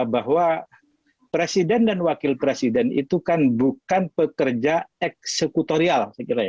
bahwa presiden dan wakil presiden itu kan bukan pekerja eksekutorial